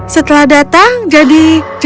setelah datang jadi